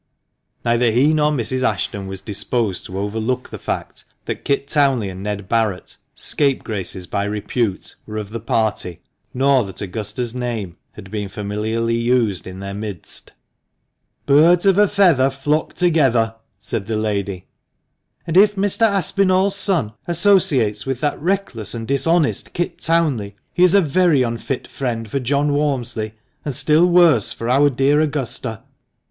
Neither he nor Mrs. Ashton was disposed to overlook the fact that Kit Townley and Ned Barret — scapegraces by repute — were of the party, nor that Augusta's name had been familiarly used in their midst. "' Birds of a feather flock together,' " said the lady ;" and if Mr. Aspinall's son associates with that reckless and dishonest Kit Townley, he is a very unfit friend for John Walmsley, and still worse for our dear Augusta."